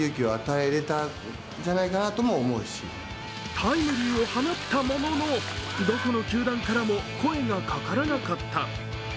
タイムリーを放ったもののどこの球団からも声がかからなかった。